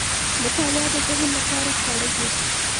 مطالعه د ذهن لپاره خواړه دي.